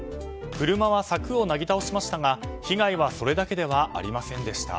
車は柵をなぎ倒しましたが被害はそれだけではありませんでした。